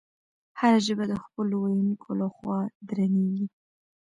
هره ژبه د خپلو ویونکو له خوا درنیږي.